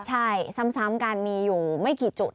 ใช่ซ้ำกันมีอยู่ไม่กี่จุด